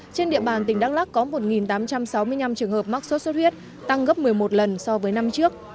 trên địa bàn tỉnh đắk lắc có một tám trăm sáu mươi năm trường hợp mắc sốt xuất huyết tăng gấp một mươi một lần so với năm trước